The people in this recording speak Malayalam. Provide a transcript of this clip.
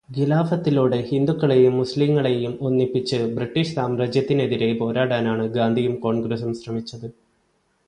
ഖിലാഫത്തിലൂടെ ഹിന്ദുക്കളേയും മുസ്ലിങ്ങളേയും ഒന്നിപ്പിച്ച് ബ്രിട്ടീഷ് സാമ്രാജ്യത്തിനെതിരെ പോരാടാനാണു ഗാന്ധിയും കോണ്ഗ്രസും ശ്രമിച്ചത്.